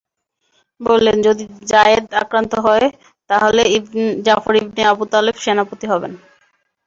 বললেন, যদি যায়েদ আক্রান্ত হয় তাহলে জাফর ইবনে আবু তালেব সেনাপতি হবে।